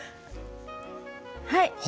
はい。